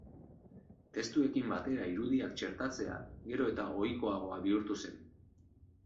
Testuekin batera irudiak txertatzea, gero eta ohikoagoa bihurtu zen.